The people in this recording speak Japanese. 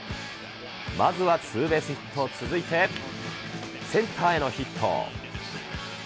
まずはツーベースヒット、続いて、センターへのヒット。